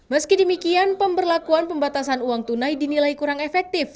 meski demikian pemberlakuan pembatasan uang tunai dinilai kurang efektif